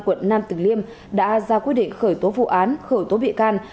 quận năm từ liêm đã ra quyết định khởi tố vụ án khởi tố bị can